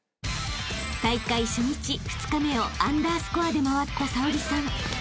［大会初日２日目をアンダースコアで回った早織さん］